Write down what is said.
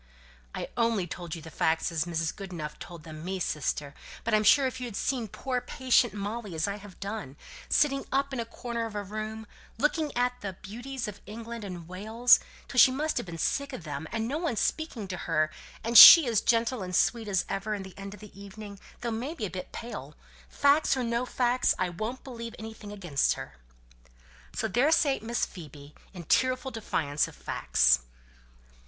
"I only told you the facts as Mrs. Goodenough told them me, sister; but I'm sure if you had seen poor patient Molly as I have done, sitting up in a corner of a room, looking at the Beauties of England and Wales till she must have been sick of them, and no one speaking to her; and she as gentle and sweet as ever at the end of the evening, though maybe a bit pale facts or no facts, I won't believe anything against her." So there sate Miss Phoebe, in tearful defiance of facts.